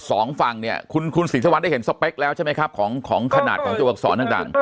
สองฝั่งเนี่ยคุณคุณศรีสวรรได้เห็นสเปคแล้วใช่ไหมครับของของขนาดของตัวอักษรต่าง